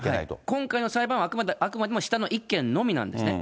今回の裁判は、あくまでも下の１件のみなんですね。